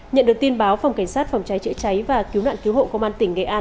nhận được tin báo phòng cảnh sát phòng cháy chữa cháy và cứu nạn cứu hộ công an tỉnh nghệ an